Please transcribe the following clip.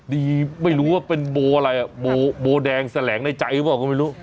ไม่รู้ว่าเป็นโบอะไรอ่ะโบแดงแสลงในใจหรือเปล่าก็ไม่รู้